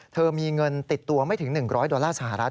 เธอมีเงินติดตัวไม่ถึง๑๐๐ดอลลาร์สหรัฐ